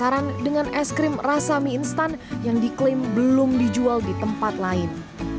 penasaran dengan es krim rasa mie instan yang diklaim belum dijual di tempat lain